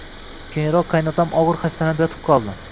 Keyinroq qaynotam og`ir xastalanib yotib qoldi